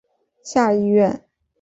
下议院。